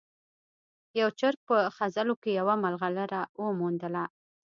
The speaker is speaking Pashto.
یو چرګ په خځلو کې یوه ملغلره وموندله.